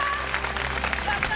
やった！